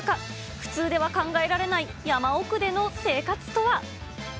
普通では考えられない山奥での生活とは。